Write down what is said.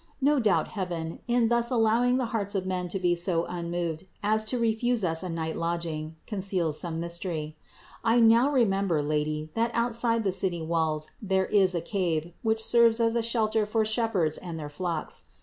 No doubt heaven, in thus allowing the hearts of men to be so unmoved as to refuse us a night lodging, conceals some mystery. I now remember, Lady, that outside the city walls there is a cave, which serves as a shelter for shepherds and their flocks.